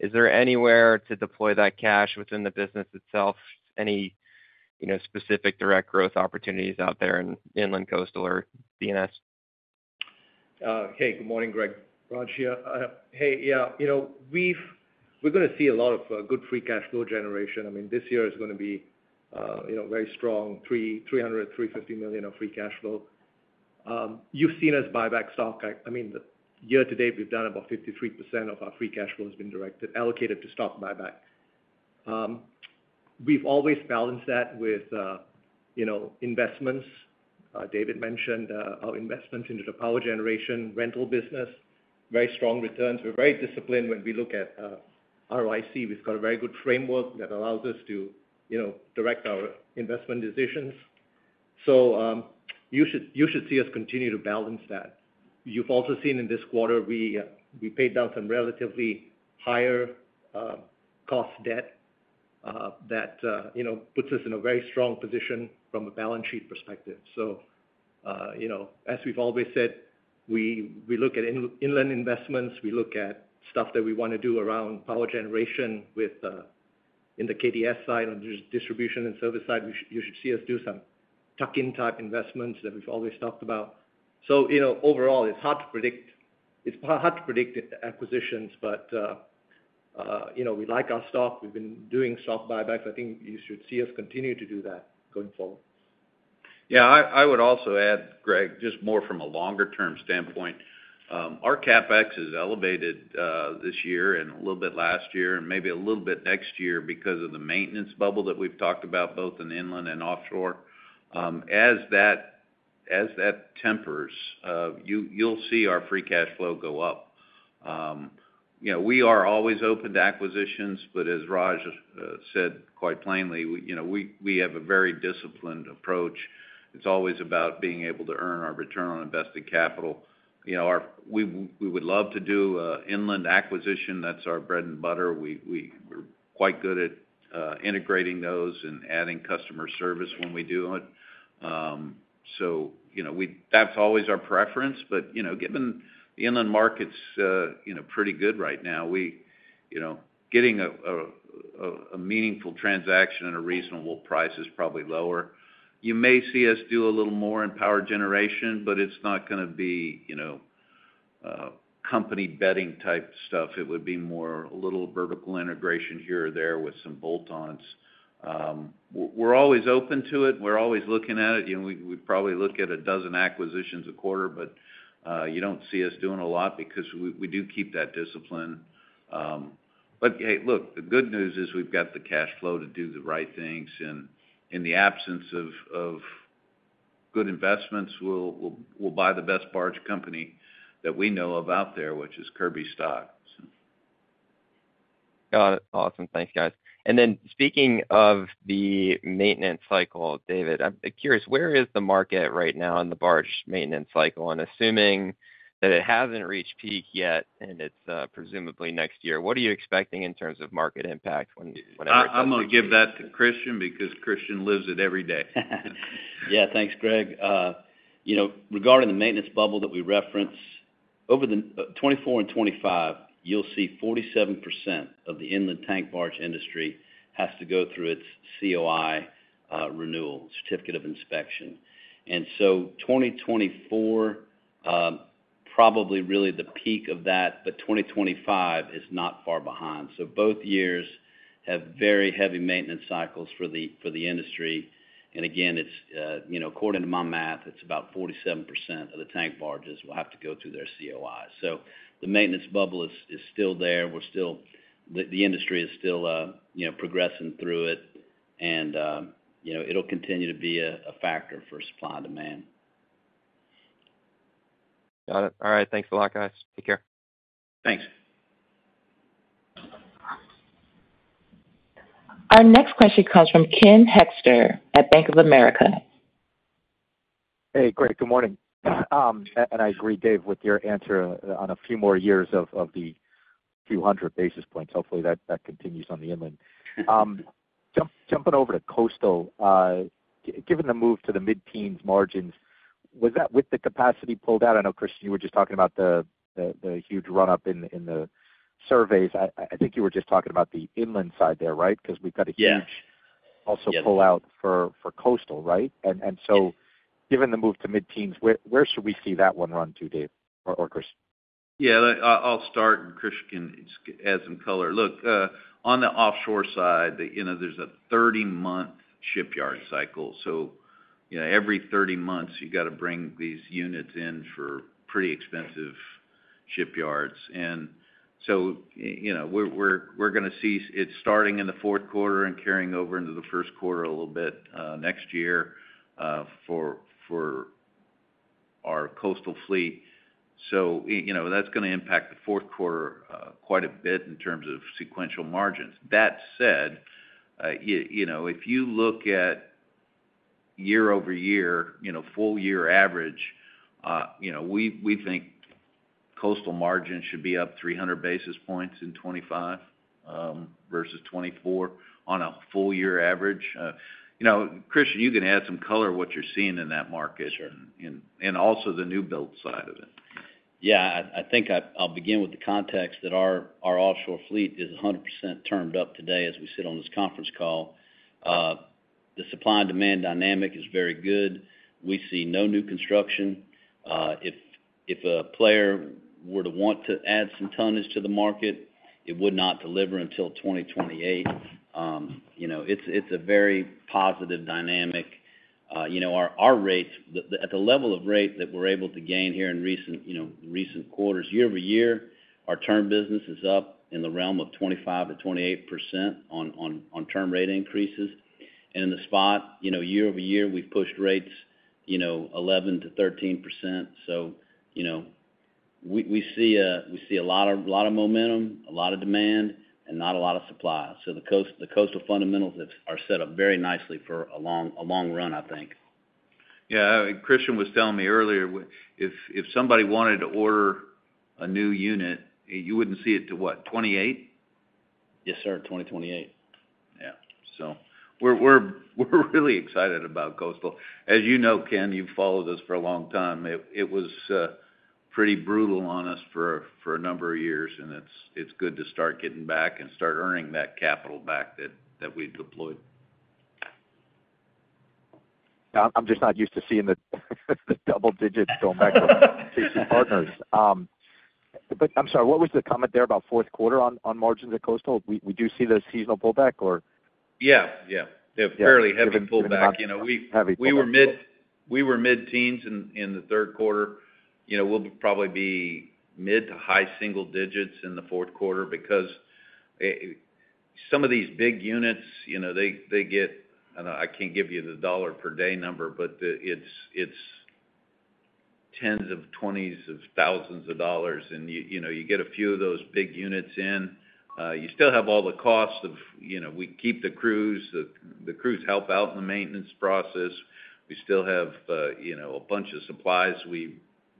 is there anywhere to deploy that cash within the business itself? Any specific direct growth opportunities out there in inland, coastal or D&S? Hey, good morning, Greg Lewis. Hey, yeah. We're going to see a lot of good free cash flow generation. I mean, this year is going to be very strong, $300-$350 million of free cash flow. You've seen us buy back stock. I mean, year to date, we've done about 53% of our free cash flow has been allocated to stock buyback. We've always balanced that with investments. David mentioned our investments into the power generation rental business, very strong returns. We're very disciplined when we look at ROIC. We've got a very good framework that allows us to direct our investment decisions. So you should see us continue to balance that. You've also seen in this quarter, we paid down some relatively higher cost debt that puts us in a very strong position from a balance sheet perspective. So as we've always said, we look at inland investments. We look at stuff that we want to do around power generation in the KDS side or distribution and service side. You should see us do some tuck-in type investments that we've always talked about. So overall, it's hard to predict. It's hard to predict acquisitions, but we like our stock. We've been doing stock buybacks. I think you should see us continue to do that going forward. Yeah. I would also add, Greg, just more from a longer-term standpoint. Our CapEx is elevated this year and a little bit last year and maybe a little bit next year because of the maintenance bubble that we've talked about, both in inland and offshore. As that tempers, you'll see our free cash flow go up. We are always open to acquisitions, but as Raj said quite plainly, we have a very disciplined approach. It's always about being able to earn our return on invested capital. We would love to do an inland acquisition. That's our bread and butter. We're quite good at integrating those and adding customer service when we do it. So that's always our preference. But given the inland market's pretty good right now, getting a meaningful transaction at a reasonable price is probably lower. You may see us do a little more in power generation, but it's not going to be company betting type stuff. It would be more a little vertical integration here or there with some bolt-ons. We're always open to it. We're always looking at it. We probably look at a dozen acquisitions a quarter, but you don't see us doing a lot because we do keep that discipline. But hey, look, the good news is we've got the cash flow to do the right things. In the absence of good investments, we'll buy the best barge company that we know of out there, which is Kirby Stock. Got it. Awesome. Thanks, guys. And then speaking of the maintenance cycle, David, I'm curious, where is the market right now in the barge maintenance cycle? And assuming that it hasn't reached peak yet and it's presumably next year, what are you expecting in terms of market impact whenever it's? I'm going to give that to Christian because Christian lives it every day. Yeah. Thanks, Greg. Regarding the maintenance bubble that we referenced, over the 2024 and 2025, you'll see 47% of the inland tank barge industry has to go through its COI renewal, certificate of inspection. And so 2024, probably really the peak of that, but 2025 is not far behind. So both years have very heavy maintenance cycles for the industry. And again, according to my math, it's about 47% of the tank barges will have to go through their COI. So the maintenance bubble is still there. The industry is still progressing through it, and it'll continue to be a factor for supply and demand. Got it. All right. Thanks a lot, guys. Take care. Thanks. Our next question comes from Ken Hoexter at Bank of America. Hey, Greg. Good morning. And I agree, Dave, with your answer on a few more years of the few hundred basis points. Hopefully, that continues on the inland. Jumping over to coastal, given the move to the mid-teens margins, was that with the capacity pulled out? I know, Christian, you were just talking about the huge run-up in the surveys. I think you were just talking about the inland side there, right? Because we've got a huge also pull-out for coastal, right? And so given the move to mid-teens, where should we see that one run to, Dave or Chris? Yeah. I'll start, and Christian adds some color. Look, on the offshore side, there's a 30-month shipyard cycle. So every 30 months, you got to bring these units in for pretty expensive shipyards. And so we're going to see it starting in the fourth quarter and carrying over into the first quarter a little bit next year for our coastal fleet. So that's going to impact the fourth quarter quite a bit in terms of sequential margins. That said, if you look at year-over-year, full year average, we think coastal margins should be up 300 basis points in 2025 versus 2024 on a full year average. Christian, you can add some color to what you're seeing in that market and also the new build side of it. Yeah. I think I'll begin with the context that our offshore fleet is 100% termed up today as we sit on this conference call. The supply and demand dynamic is very good. We see no new construction. If a player were to want to add some tonnage to the market, it would not deliver until 2028. It's a very positive dynamic. Our rates, at the level of rate that we're able to gain here in recent quarters, year-over-year, our term business-is up in the realm of 25%-28% on term rate increases. And in the spot, year-over-year, we've pushed rates 11%-13%. So we see a lot of momentum, a lot of demand, and not a lot of supply. So the coastal fundamentals are set up very nicely for a long run, I think. Yeah. Christian was telling me earlier, if somebody wanted to order a new unit, you wouldn't see it to what, 2028? Yes, sir. 2028. Yeah. So we're really excited about Coastal. As you know, Ken, you've followed us for a long time. It was pretty brutal on us for a number of years, and it's good to start getting back and start earning that capital back that we deployed. I'm just not used to seeing the double digits going back to partners. But I'm sorry, what was the comment there about fourth quarter on margins at Coastal? We do see the seasonal pullback, or? Yeah. Yeah. They have fairly heavy pullback. We were mid-teens in the third quarter. We'll probably be mid to high single digits in the fourth quarter because some of these big units, they get. I can't give you the dollar per day number, but it's tens of twenties of thousands of dollars, and you get a few of those big units in. You still have all the costs of we keep the crews. The crews help out in the maintenance process. We still have a bunch of supplies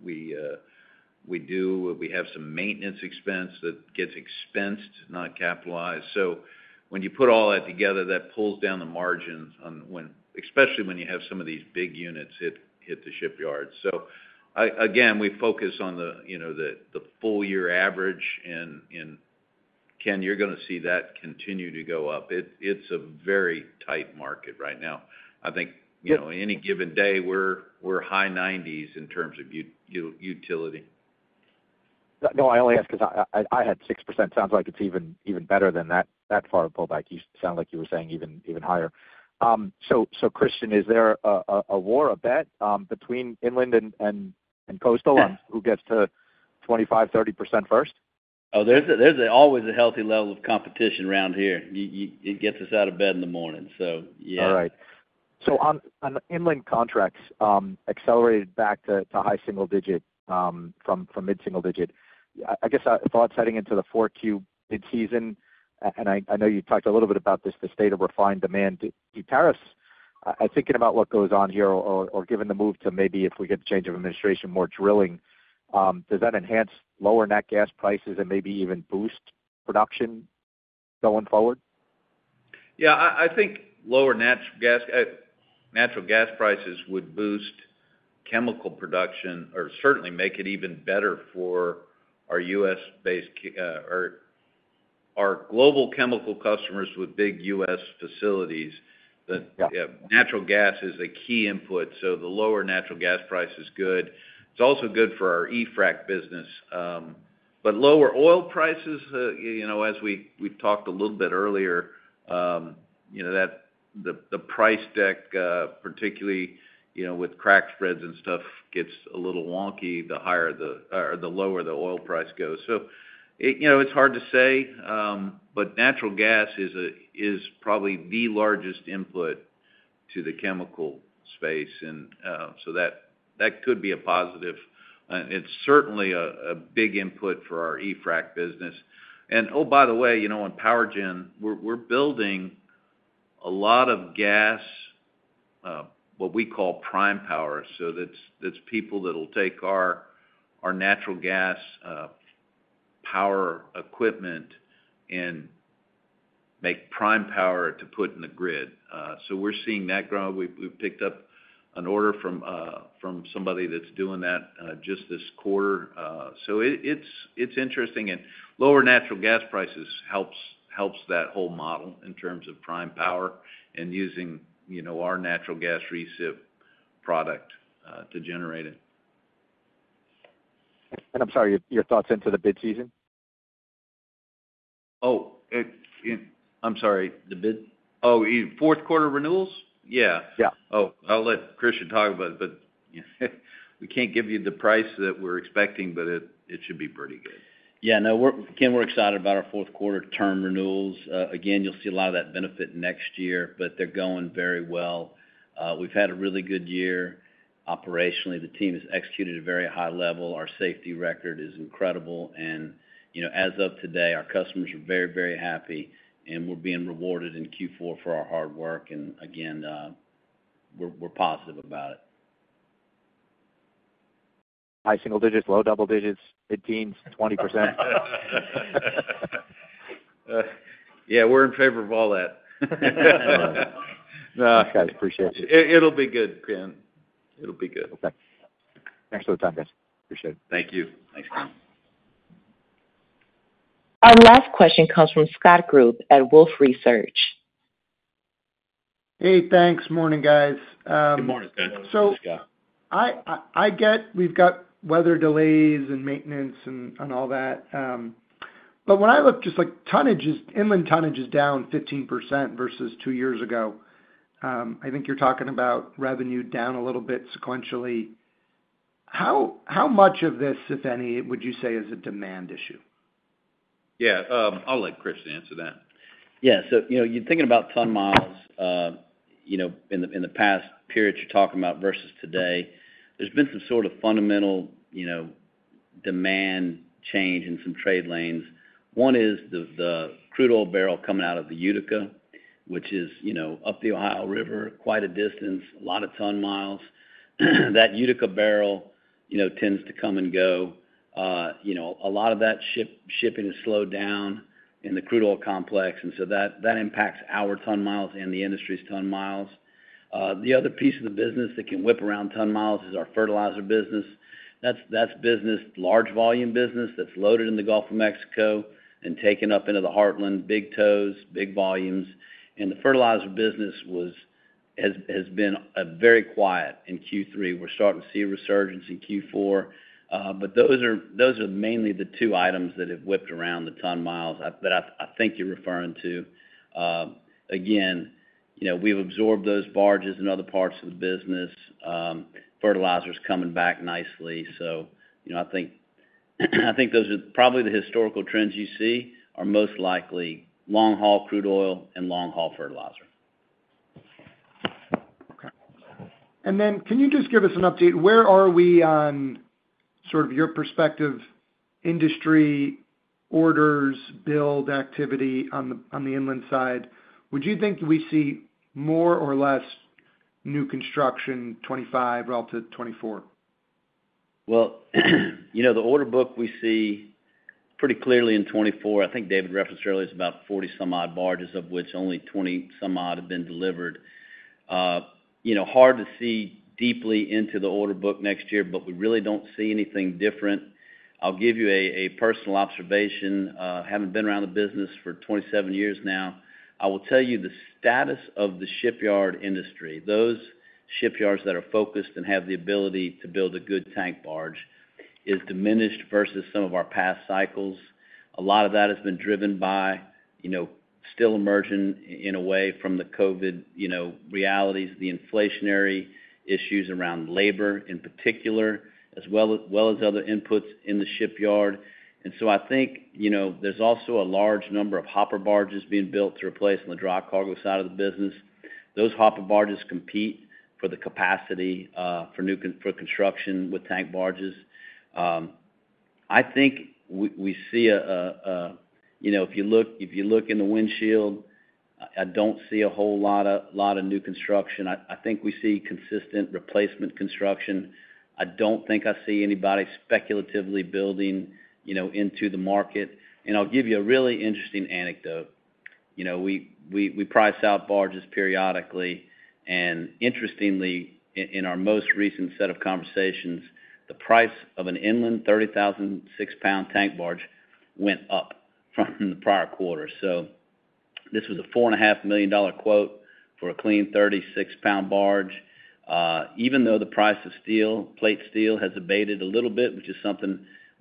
we do. We have some maintenance expense that gets expensed, not capitalized. So when you put all that together, that pulls down the margins, especially when you have some of these big units hit the shipyards. So again, we focus on the full year average, and Ken, you're going to see that continue to go up. It's a very tight market right now. I think any given day, we're high 90s in terms of utility. No, I only ask because I had 6%. Sounds like it's even better than that far-off pullback. You sound like you were saying even higher. So Christian, is there a war, a bet between inland and coastal on who gets to 25%-30% first? Oh, there's always a healthy level of competition around here. It gets us out of bed in the morning. So yeah. All right, so on inland contracts, accelerated back to high single digit from mid-single digit. I guess I thought heading into the fourth quarter bid season, and I know you talked a little bit about this, the state of refined demand. Do you think, thinking about what goes on here or given the move to maybe, if we get the change of administration, more drilling, does that enhance lower nat gas prices and maybe even boost production going forward? Yeah. I think lower natural gas prices would boost chemical production or certainly make it even better for our U.S.-based or our global chemical customers with big U.S. facilities. Natural gas is a key input. So the lower natural gas price is good. It's also good for our E-Frac business. But lower oil prices, as we've talked a little bit earlier, the price deck, particularly with crack spreads and stuff, gets a little wonky the lower the oil price goes. So it's hard to say, but natural gas is probably the largest input to the chemical space. And so that could be a positive. And it's certainly a big input for our E-Frac business. And oh, by the way, on power gen, we're building a lot of gas, what we call prime power. So that's people that will take our natural gas power equipment and make prime power to put in the grid. So we're seeing that grow. We've picked up an order from somebody that's doing that just this quarter. So it's interesting. And lower natural gas prices helps that whole model in terms of prime power and using our natural gas recip product to generate it. I'm sorry, your thoughts into the bid season? Oh, I'm sorry. The bid? Oh, fourth quarter renewals? Yeah. Oh, I'll let Christian talk about it, but we can't give you the price that we're expecting, but it should be pretty good. Yeah. No, Ken, we're excited about our fourth quarter term renewals. Again, you'll see a lot of that benefit next year, but they're going very well. We've had a really good year operationally. The team has executed at a very high level. Our safety record is incredible. And as of today, our customers are very, very happy, and we're being rewarded in Q4 for our hard work. And again, we're positive about it. High single digits, low double digits, mid-teens, 20%. Yeah. We're in favor of all that. No, I appreciate it. It'll be good, Ken. It'll be good. Okay. Thanks for the time, guys. Appreciate it. Thank you. Thanks, Ken. Our last question comes from Scott Group at Wolfe Research. Hey, thanks. Morning, guys. Good morning, guys. So. Let's go. I get we've got weather delays and maintenance and all that. But when I look just like inland tonnage is down 15% versus two years ago. I think you're talking about revenue down a little bit sequentially. How much of this, if any, would you say is a demand issue? Yeah. I'll let Christian answer that. Yeah. So you're thinking about ton-miles in the past period you're talking about versus today, there's been some sort of fundamental demand change in some trade lanes. One is the crude oil barrel coming out of the Utica, which is up the Ohio River quite a distance, a lot of ton-miles. That Utica barrel tends to come and go. A lot of that shipping has slowed down in the crude oil complex. And so that impacts our ton-miles and the industry's ton-miles. The other piece of the business that can whip around ton-miles is our fertilizer business. That's large volume business that's loaded in the Gulf of Mexico and taken up into the heartland, big tows, big volumes. And the fertilizer business has been very quiet in Q3. We're starting to see a resurgence in Q4. But those are mainly the two items that have whipped around the ton-miles that I think you're referring to. Again, we've absorbed those barges in other parts of the business. Fertilizer's coming back nicely. So I think those are probably the historical trends you see are most likely long-haul crude oil and long-haul fertilizer. Okay. And then can you just give us an update? Where are we on sort of your perspective, industry orders, build activity on the inland side? Would you think we see more or less new construction 2025 relative to 2024? The order book we see pretty clearly in 2024, I think David referenced earlier, is about 40-some-odd barges of which only 20-some-odd have been delivered. Hard to see deeply into the order book next year, but we really don't see anything different. I'll give you a personal observation. Having been around the business for 27 years now, I will tell you the status of the shipyard industry, those shipyards that are focused and have the ability to build a good tank barge, is diminished versus some of our past cycles. A lot of that has been driven by still emerging in a way from the COVID realities, the inflationary issues around labor in particular, as well as other inputs in the shipyard. So I think there's also a large number of hopper barges being built to replace on the dry cargo side of the business. Those hopper barges compete for the capacity for construction with tank barges. I think we see a if you look in the windshield. I don't see a whole lot of new construction. I think we see consistent replacement construction. I don't think I see anybody speculatively building into the market. And I'll give you a really interesting anecdote. We price out barges periodically. And interestingly, in our most recent set of conversations, the price of an inland 30,000 6-pound tank barge went up from the prior quarter. So this was a $4.5 million quote for a clean 30, 6-pound barge. Even though the price of plate steel has abated a little bit, which is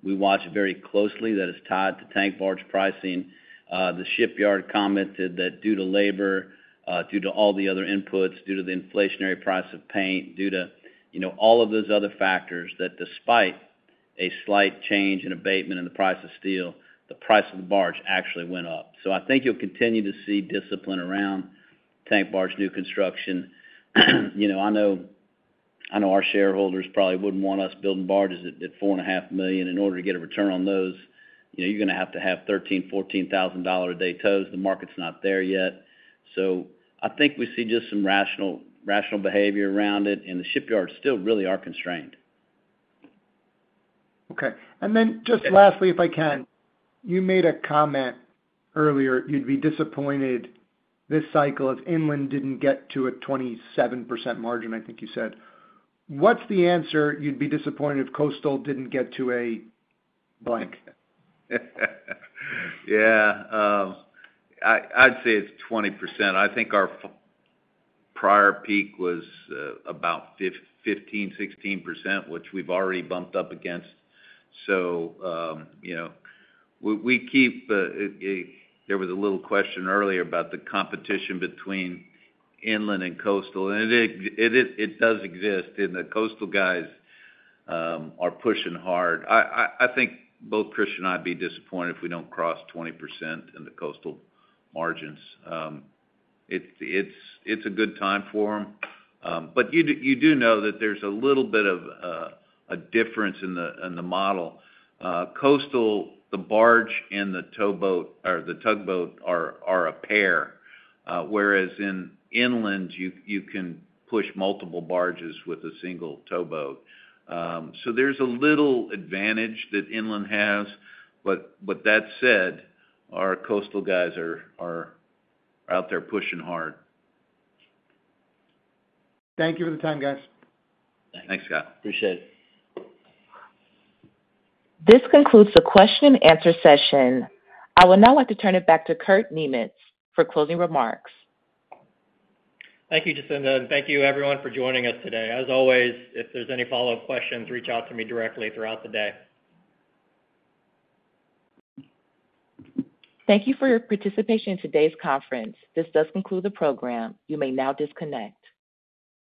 something we watch very closely that is tied to tank barge pricing, the shipyard commented that due to labor, due to all the other inputs, due to the inflationary price of paint, due to all of those other factors, that despite a slight change in abatement in the price of steel, the price of the barge actually went up. So I think you'll continue to see discipline around tank barge new construction. I know our shareholders probably wouldn't want us building barges at $4.5 million. In order to get a return on those, you're going to have to have $13,000-$14,000 a day tows. The market's not there yet. So I think we see just some rational behavior around it. And the shipyards still really are constrained. Okay, and then just lastly, if I can, you made a comment earlier. You'd be disappointed this cycle if inland didn't get to a 27% margin, I think you said. What's the answer? You'd be disappointed if coastal didn't get to a blank. Yeah. I'd say it's 20%. I think our prior peak was about 15-16%, which we've already bumped up against. So we keep there was a little question earlier about the competition between inland and coastal. And it does exist. And the coastal guys are pushing hard. I think both Christian and I would be disappointed if we don't cross 20% in the coastal margins. It's a good time for them. But you do know that there's a little bit of a difference in the model. Coastal, the barge and the tugboat are a pair, whereas in inland, you can push multiple barges with a single towboat. So there's a little advantage that inland has. But that said, our coastal guys are out there pushing hard. Thank you for the time, guys. Thanks, Scott. Appreciate it. This concludes the question and answer session. I would now like to turn it back to Kurt Niemietz for closing remarks. Thank you, Jacinda. And thank you, everyone, for joining us today. As always, if there's any follow-up questions, reach out to me directly throughout the day. Thank you for your participation in today's conference. This does conclude the program. You may now disconnect.